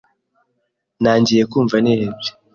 Ntangiye kumva nihebye.